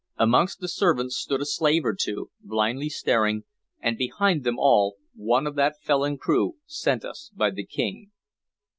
Amongst the servants stood a slave or two, blindly staring, and behind them all one of that felon crew sent us by the King.